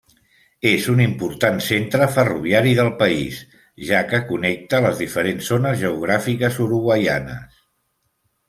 És un important centre ferroviari del país, ja que connecta les diferents zones geogràfiques uruguaianes.